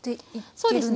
そうですね。